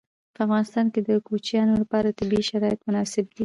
په افغانستان کې د کوچیانو لپاره طبیعي شرایط مناسب دي.